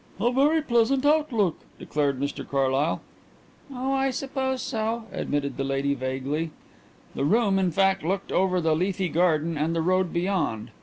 "A very pleasant outlook," declared Mr Carlyle. "Oh, I suppose so," admitted the lady vaguely. The room, in fact, looked over the leafy garden and the road beyond.